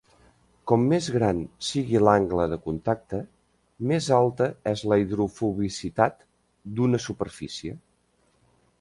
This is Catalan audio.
Com més gran sigui l'angle de contacte, més alta és la hidrofobicitat d'una superfície.